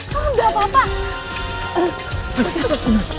kamu gak apa apa